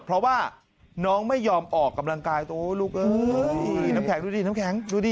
เพราะว่าน้องไม่ยอมออกกำลังกายตัวลูกเอ้ยน้ำแข็งดูดิน้ำแข็งดูดิ